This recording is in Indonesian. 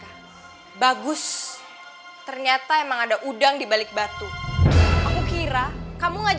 beau szerk bagus ternyata emang ada udang dibalik batu aku kira kamu ajak aku ke puncak aku liat apa ini